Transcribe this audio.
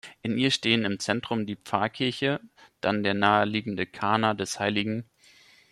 In ihr stehen im Zentrum die "Pfarrkirche", dann der nahe liegende "Karner des Hl.